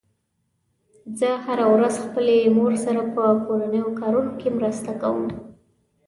زه هره ورځ خپلې مور سره په کورنیو کارونو کې مرسته کوم